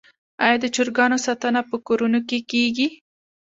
آیا د چرګانو ساتنه په کورونو کې کیږي؟